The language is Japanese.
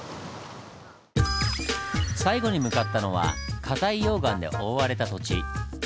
最後に向かったのはかたい溶岩で覆われた土地。